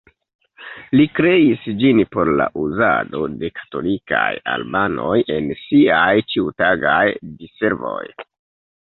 Li kreis ĝin por la uzado de katolikaj albanoj en siaj ĉiutagaj diservoj.